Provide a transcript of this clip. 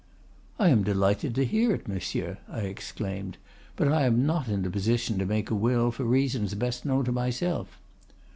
"'I am delighted to hear it, monsieur,' I exclaimed. 'But I am not in a position to make a will for reasons best known to myself.